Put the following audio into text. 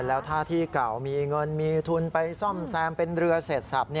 แล้วถ้าที่เก่ามีเงินมีทุนไปซ่อมแซมเป็นเรือเสร็จสับ